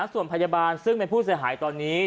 ส่วนพยาบาลซึ่งเป็นผู้เสียหายตอนนี้